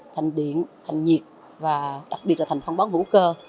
thành điện thành nhiệt và đặc biệt là thành phong bón vũ cơ